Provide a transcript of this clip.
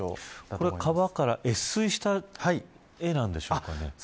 これは川から越水した絵なんでしょうか。